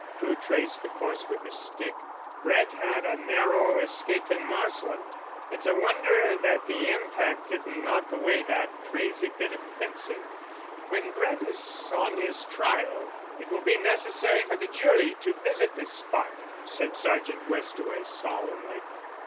Crewe traced the course with his stick. "Brett had a narrower escape than Marsland. It's a wonder that the impact didn't knock away that crazy bit of fencing." "When Brett is on his trial it will be necessary for the jury to visit this spot," said Sergeant Westaway solemnly.